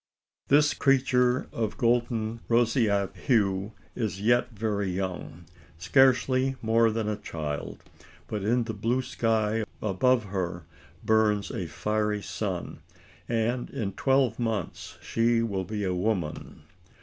This creature of golden roseate hue is yet very young scarcely more than a child but in the blue sky above her burns a fiery sun; and in twelve months she will be a woman.